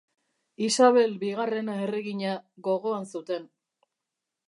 Isabel bigarrena erregina gogoan zuten.